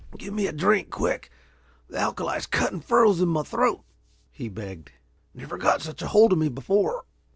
"Give me a drink, quick. The alkali's cutting furrows in my throat," he begged. "Never got such a hold of me before."